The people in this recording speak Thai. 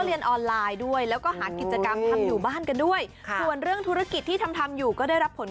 ใช่ไหมแล้วแม่โบก็เลยเปิดเผยชีวิตในช่วง